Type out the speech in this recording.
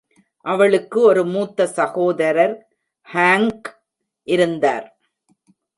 அவளுக்கு ஒரு மூத்த சகோதரர் ஹாங்க், இருந்தார்.